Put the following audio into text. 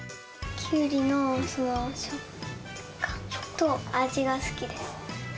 キュウリの食感と味が好きです。